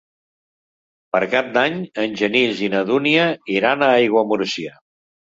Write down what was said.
Per Cap d'Any en Genís i na Dúnia iran a Aiguamúrcia.